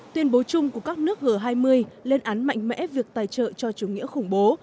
tuyên bố chung của các nước g hai mươi lên án mạnh mẽ việc tài trợ cho chủ nghĩa khủng bố